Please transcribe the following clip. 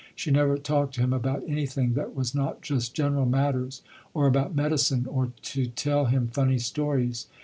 She never talked to him about anything that was not just general matters, or about medicine, or to tell him funny stories.